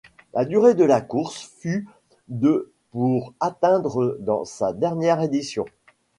La durée de la course fut de pour atteindre dans sa dernière édition.